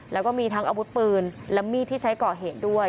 แล้วก็มีทั้งอาวุธปืนและมีดที่ใช้ก่อเหตุด้วย